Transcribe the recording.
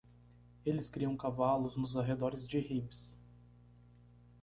Eles criam cavalos nos arredores de Ribes.